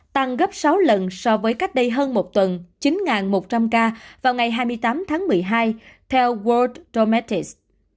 tăng gấp sáu lần so với cách đây hơn một tuần chín một trăm linh ca vào ngày hai mươi tám tháng một mươi hai theo world romettis